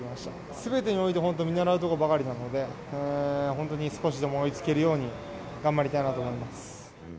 すべてにおいて、本当見習うことばかりなので、本当に少しでも追いつけるように、頑張りたいなと思います。